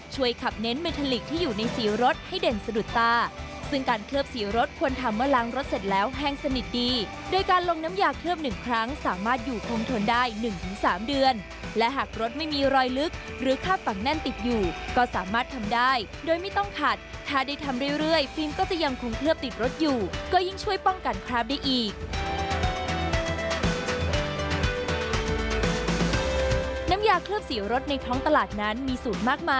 ขับเน้นเมทาลิกที่อยู่ในสีรถให้เด่นสะดุดตาซึ่งการเคลือบสีรถควรทำเมื่อล้างรถเสร็จแล้วแห้งสนิทดีโดยการลงน้ำยาเคลือบหนึ่งครั้งสามารถอยู่คงทนได้๑๓เดือนและหากรถไม่มีรอยลึกหรือคาบฝังแน่นติดอยู่ก็สามารถทำได้โดยไม่ต้องขัดถ้าได้ทำเรื่อยฟิล์มก็จะยังคงเคลือบติดรถอยู่ก็ยิ่งช่วยป้องกันคราฟได้อีก